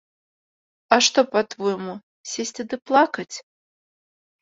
А што па-твойму, сесці ды плакаць?